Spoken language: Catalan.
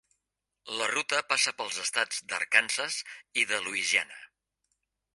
La ruta passa pels estats d'Arkansas i de Louisiana.